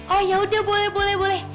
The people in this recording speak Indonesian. oh yaudah boleh boleh